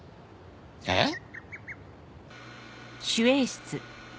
えっ？